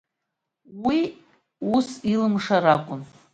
Уи ус илымшар акәын.